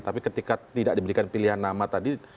tapi ketika tidak diberikan pilihan nama tadi